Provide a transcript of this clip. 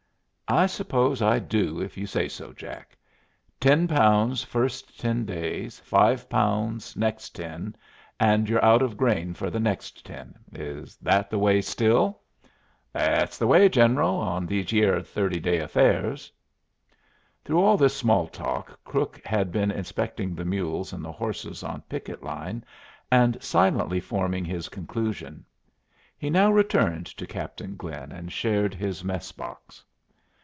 "I suppose I do if you say so, Jack. Ten pounds first ten days, five pounds next ten, and you're out of grain for the next ten. Is that the way still?" "Thet's the way, General, on these yere thirty day affairs." Through all this small talk Crook had been inspecting the mules and the horses on picket line, and silently forming his conclusion. He now returned to Captain Glynn and shared his mess box.